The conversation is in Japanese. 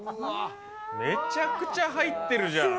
めちゃくちゃ入ってるじゃん。